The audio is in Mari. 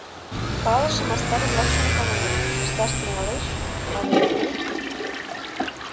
Палыше мастар-влак шонкаленыт: ышташ тӱҥалеш але уке?